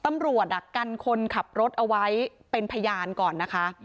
ตำรวจกันคนขับรถเอาไว้เป็นพยานก่อนนะคะ